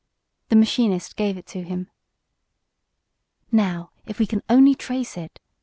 The machinist gave it to him. "Now if we can only trace it!"